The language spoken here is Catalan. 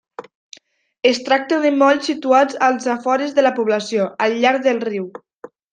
Es tracta de molls situats als afores de la població, al llarg del riu.